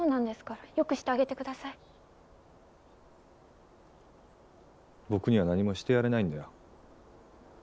僕には何もしてやれないんだよ。